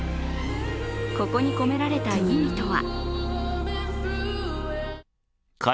ここに込められた意味とは。